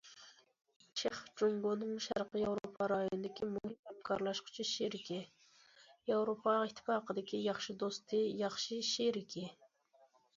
چېخ جۇڭگونىڭ شەرقىي ياۋروپا رايونىدىكى مۇھىم ھەمكارلاشقۇچى شېرىكى، ياۋروپا ئىتتىپاقىدىكى ياخشى دوستى، ياخشى شېرىكى.